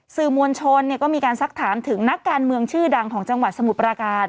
สื่อมวลชนก็มีการซักถามถึงนักการเมืองชื่อดังของจังหวัดสมุทรปราการ